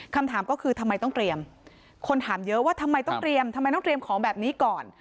คำถามก็คือทำไมต้องเตรียมคนถามเยอะว่าทำไมต้องเตรียมทำไมต้องเตรียมของแบบนี้ก่อน